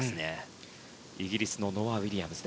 イギリスのノア・ウィリアムズ。